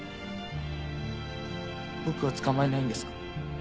僕を捕まえないんですか？